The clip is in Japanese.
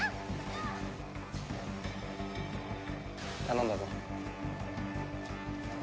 頼んだぞ。